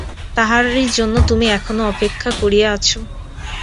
তাহারই জন্য তুমি এখানে অপেক্ষা করিয়া আছ?